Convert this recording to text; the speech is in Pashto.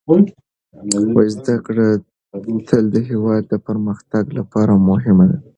زده کړه تل د هېواد د پرمختګ لپاره مهمه ده.